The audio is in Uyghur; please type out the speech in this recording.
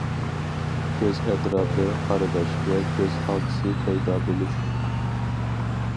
كۆز ئەتراپى قارىداش ۋە كۆز خالتىسى پەيدا بولۇش.